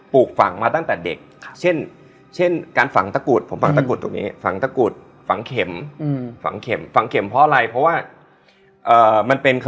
มันไม่ใช่คนสองคนคุยกันนะ